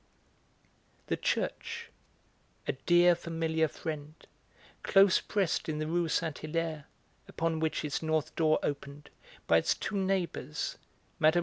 The church! A dear, familiar friend; close pressed in the Rue Saint Hilaire, upon which its north door opened, by its two neighbours, Mme.